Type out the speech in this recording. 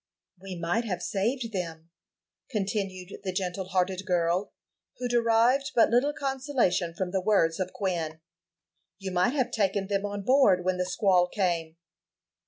"We might have saved them," continued the gentle hearted girl, who derived but little consolation from the words of Quin. "You might have taken them on board when the squall came."